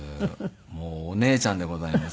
もうお姉ちゃんでございます